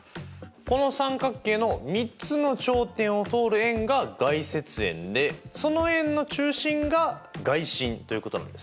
この三角形の３つの頂点を通る円が外接円でその円の中心が外心ということなんですね。